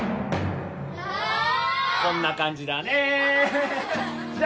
こんな感じだねじゃ